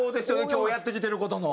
今日やってきてる事の。